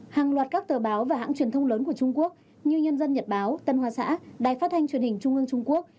hàng loạt các tờ báo và hãng truyền thông lớn của trung quốc như nhân dân nhật báo tân hoa xã đài phát thanh truyền hình trung ương trung quốc